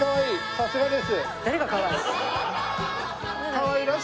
さすがです。